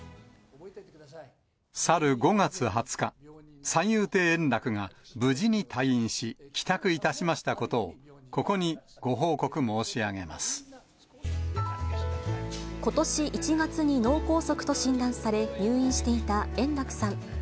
去る５月２０日、三遊亭円楽が無事に退院し、帰宅いたしましたことを、ことし１月に脳梗塞と診断され、入院していた円楽さん。